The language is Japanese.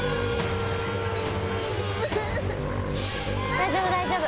大丈夫大丈夫！